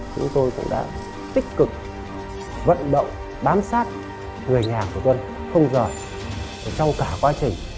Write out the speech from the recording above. chúng tôi cũng đã tích cực vận động bám sát người nhà của quân không giờ trong cả quá trình